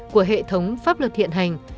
của hệ thống pháp luật hiện hành